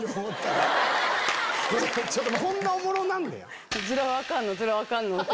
こんなおもろなんねや。